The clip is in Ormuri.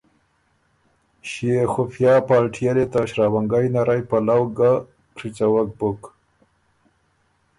ݭيې خفیا پالټيې لې ته شراونګئ نرئ پلؤ ګۀ ڒیڅوک بُک